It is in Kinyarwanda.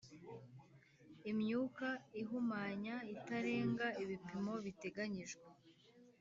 imyuka ihumanya itarenga ibipimo biteganyijwe